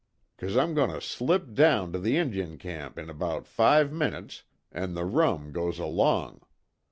'Cause I'm goin' to slip down to the Injun camp in about five minutes, an' the rum goes along.